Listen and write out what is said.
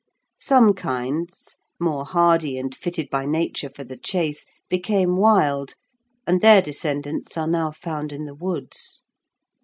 Some kinds, more hardy and fitted by nature for the chase, became wild, and their descendants are now found in the woods.